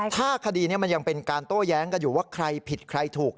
ถ้าคดีนี้มันยังเป็นการโต้แย้งกันอยู่ว่าใครผิดใครถูก